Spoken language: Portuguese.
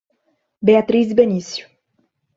Beatriz e Benício